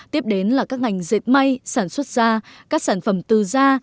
tiếp đến là các ngành dệt may sản xuất da các sản phẩm tư da